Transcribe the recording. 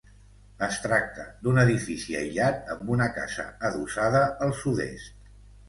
Es tracta d'un edifici aïllat amb una casa adossada al sud-est.